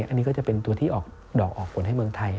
อันนี้ก็จะเป็นตัวที่ออกดอกออกผลให้เมืองไทย